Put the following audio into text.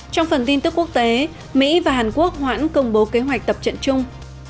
trong phần tin tức quốc tế mỹ và hàn quốc hoãn công bố kế hoạch tập trận chung